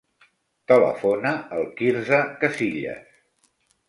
Telefona al Quirze Casillas.